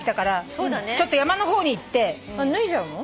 脱いじゃうの？